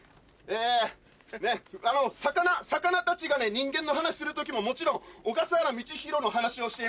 魚たちがね人間の話する時ももちろん小笠原道大の話をしています。